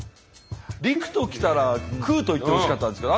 陸と来たら空と言ってほしかったんですけど。